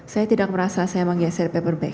saya tidak merasa saya menggeser paperback